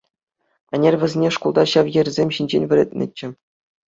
Ӗнер вӗсене шкулта ҫав йӗрсем ҫинчен вӗрентнӗччӗ.